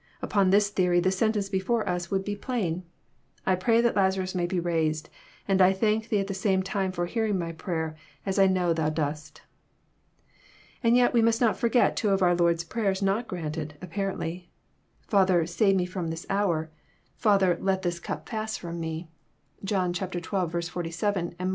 Upon this theory the sentence before us would be plain :<* I pray that Lazarus may be raised ; and I thank Thee at the same time for hearing my prayer, as I know Thou dost." And yet we must not forget two of our Lord's prayers not granted, apparently: <* Father, save Me f^om this hour;"— ^ 886 EXFOSITOET THOUGHTS. Father, let tbfs cup pass fk'om Me."